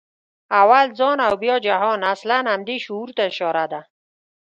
«اول ځان او بیا جهان» اصلاً همدې شعور ته اشاره ده.